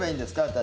私。